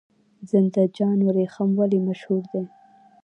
زنده جان وریښم ولې مشهور دي؟